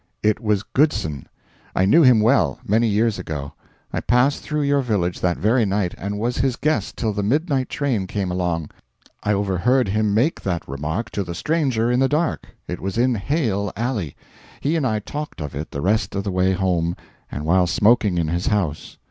It was GOODSON. I knew him well, many years ago. I passed through your village that very night, and was his guest till the midnight train came along. I overheard him make that remark to the stranger in the dark it was in Hale Alley. He and I talked of it the rest of the way home, and while smoking in his house.